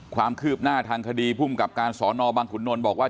ความคืบหน้าทางคดีภูมิกับการสอนอบังขุนนลบอกว่า